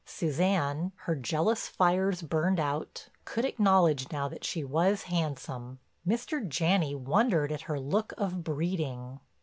Suzanne, her jealous fires burned out, could acknowledge now that she was handsome; Mr. Janney wondered at her look of breeding.